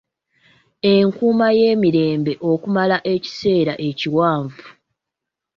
Enkuuma y'emiyembe okumala ekiseera ekiwanvu.